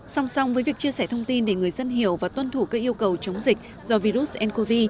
song song với việc chia sẻ thông tin để người dân hiểu và tuân thủ các yêu cầu chống dịch do virus ncov